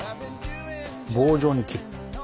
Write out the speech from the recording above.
棒状に切る。